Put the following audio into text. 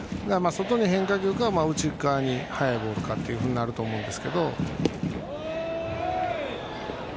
外に変化球か内側に速いボールになると思います。